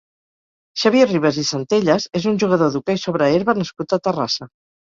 Xavier Ribas i Centelles és un jugador d'hoquei sobre herba nascut a Terrassa.